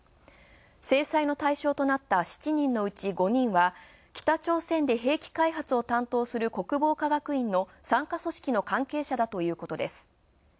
制裁の対象となった７人のうち５人は北朝鮮で兵器開発を担当する国防科学院の傘下組織の関係者だということです。